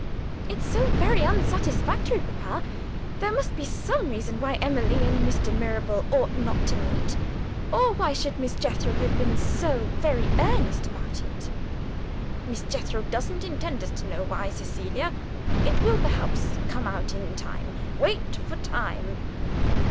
"It's so very unsatisfactory, papa. There must be some reason why Emily and Mr. Mirabel ought not to meet or why should Miss Jethro have been so very earnest about it?" "Miss Jethro doesn't intend us to know why, Cecilia. It will perhaps come out in time. Wait for time."